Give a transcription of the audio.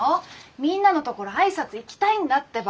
みんなのところ挨拶行きたいんだってば。